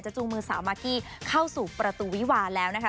จูงมือสาวมากกี้เข้าสู่ประตูวิวาแล้วนะคะ